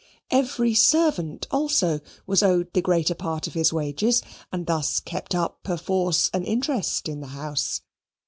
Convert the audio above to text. Every servant also was owed the greater part of his wages, and thus kept up perforce an interest in the house.